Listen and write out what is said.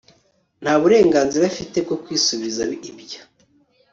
nta burenganzira afite bwo kwisubiza ibyo